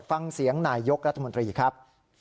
ฟังเสียงนายยกรัฐมนตรีครับ